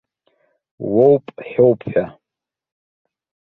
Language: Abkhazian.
Уоуп ҳәоуп ҳәа.